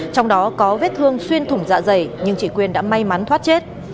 trong đó có vết thương xuyên thủng dạ dày nhưng chị quyên đã may mắn thoát chết